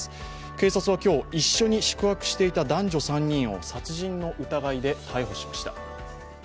警察は今日、一緒に宿泊していた男女３人を殺人の疑いで逮捕しました。